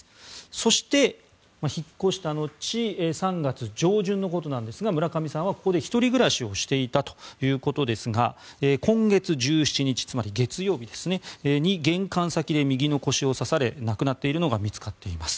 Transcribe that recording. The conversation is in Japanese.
そして、引っ越した後３月上旬のことですが村上さんはここで１人暮らしをしていたということですが今月１７日、つまり月曜日に玄関先で右の腰を刺され亡くなっているのが見つかっています。